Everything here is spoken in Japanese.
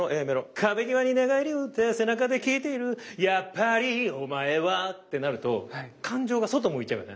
「壁ぎわに寝がえりうって背中できいているやっぱりお前は」ってなると感情が外向いちゃうよね。